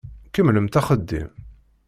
Kemmlemt axeddim!